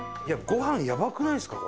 ご飯やばくないですか？